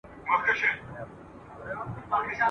اوس یې شیخان و آینې ته پر سجده پرېوزي ..